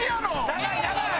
長い長い！